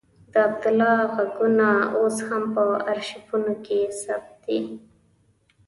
د عبدالله غږونه اوس هم په آرشیفونو کې ثبت دي.